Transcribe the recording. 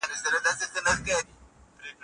که نظم وي نو حادثه نه کیږي.